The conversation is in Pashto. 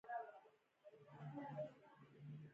د جنګونو په ترڅ کې د افغان مشر نوم نه یادېږي.